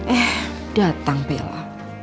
eh datang bella